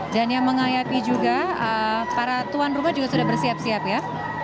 yang mengayapi juga para tuan rumah juga sudah bersiap siap ya